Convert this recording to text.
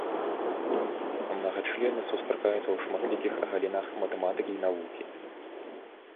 Мнагачлены сустракаюцца ў шматлікіх галінах матэматыкі і навукі.